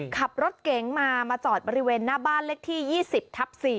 ขับรถเก๋งมามาจอดบริเวณหน้าบ้านเลขที่๒๐ทับ๔